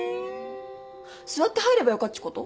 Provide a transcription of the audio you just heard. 座って入ればよかっちこと？